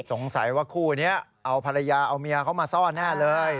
สงสัยว่าคู่นี้เอาภรรยาเอาเมียเขามาซ่อนแน่เลย